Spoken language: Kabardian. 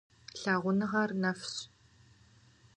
Лъагъуныгъэр нэфщ.